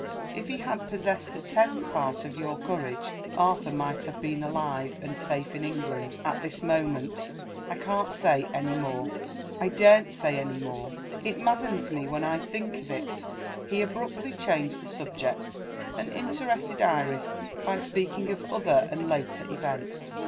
If he had possessed a tenth part of your courage, Arthur might have been alive, and safe in England, at this moment. I can't say any more; I daren't say any more; it maddens me when I think of it!" He abruptly changed the subject, and interested Iris by speaking of other and later events.